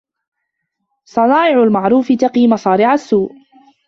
صَنَائِعُ الْمَعْرُوفِ تَقِي مَصَارِعَ السُّوءِ